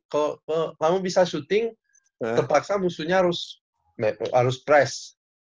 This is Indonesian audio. kalau kamu bisa syuting terpaksa musuhnya harus stres